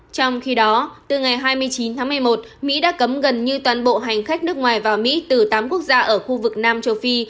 trong khi đó từ ngày hai mươi chín tháng một mươi một mỹ đã cấm gần như toàn bộ hành khách nước ngoài vào mỹ từ tám quốc gia ở khu vực nam châu phi